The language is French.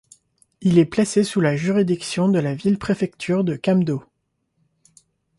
Il est placé sous la juridiction de la ville-préfecture de Qamdo.